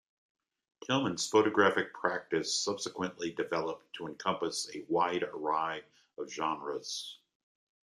Tillmans' photographic practice subsequently developed to encompass a wide array of genres.